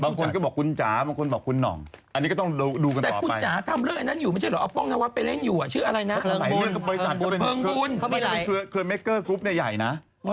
แต่คุณจ๋าทำเรื่องของใครไงนะเอาป้องนะว่าไปเล่นอยู่ชื่องี่รึพลายนะ